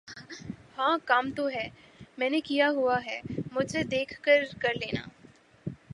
ہاں کام تو ہے۔۔۔ میں نے کیا ہوا ہے مجھ سے دیکھ کے کر لینا۔